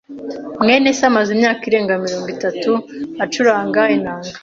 mwene se amaze imyaka irenga mirongo itatu acuranga inanga.